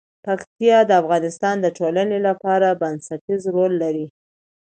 پکتیا د افغانستان د ټولنې لپاره بنسټيز رول لري.